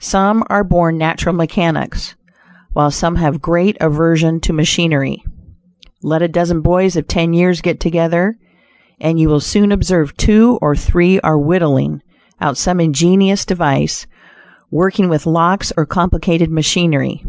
Some are born natural mechanics, while some have great aversion to machinery. Let a dozen boys of ten years get together, and you will soon observe two or three are "whittling" out some ingenious device; working with locks or complicated machinery.